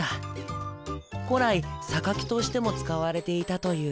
古来榊としても使われていたという。